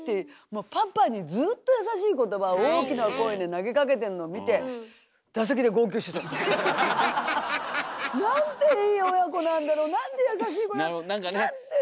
もうパパにずっと優しい言葉を大きな声で投げかけてんのを見てなんていい親子なんだろうなんて優しい子だなんて。